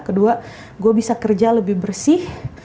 kedua gue bisa kerja lebih bersih